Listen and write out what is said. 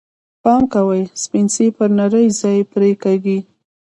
پام کوئ! سپڼسی پر نري ځای پرې کېږي.